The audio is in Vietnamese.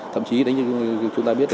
thậm chí đến như chúng ta biết